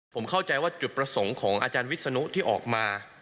ผมเข้าใจว่าจุดประสงค์ของอาจารย์วิศนุที่ออกมา